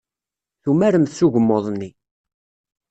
Tumaremt s ugmuḍ-nni.